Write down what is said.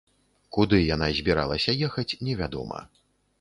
Куды яна збіралася ехаць, невядома.